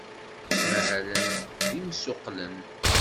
Ttmahalen d imsuqqlen.